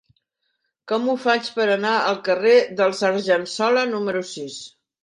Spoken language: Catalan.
Com ho faig per anar al carrer dels Argensola número sis?